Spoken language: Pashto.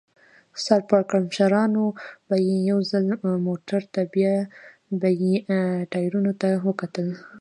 سر پړکمشرانو به یو ځل موټر ته بیا به یې ټایرونو ته وکتل.